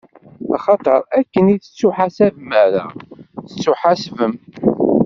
Axaṭer akken i tettḥasabem ara tettuḥasbem.